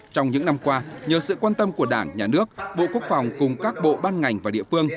trong những năm qua nhờ sự quan tâm của đảng nhà nước bộ quốc phòng cùng các bộ ban ngành và địa phương